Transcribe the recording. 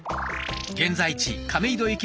現在地亀戸駅